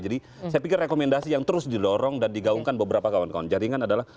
jadi saya pikir rekomendasi yang terus didorong dan digaungkan beberapa kawan kawan jaringan adalah